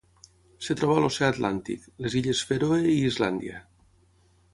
Es troba a l'Oceà Atlàntic: les Illes Fèroe i Islàndia.